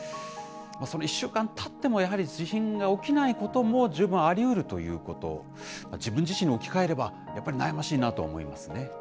その１週間たっても、やはり地震が起きないことも十分ありうるということ、自分自身に置き換えれば、やっぱり悩ましいなと思いますね。